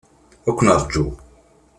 Ad ken-rǧuɣ.